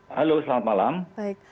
halo selamat malam